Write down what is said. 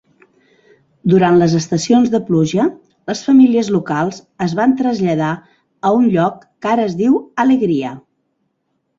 Durant les estacions de pluja, les famílies locals es van traslladar a un lloc que ara es diu Alegria.